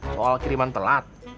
soal kiriman telat